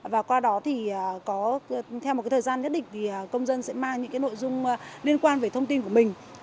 và qua đó theo một thời gian nhất định công dân sẽ mang những nội dung liên quan về thông tin của mình